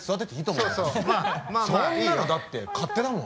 そんなのだって勝手だもん。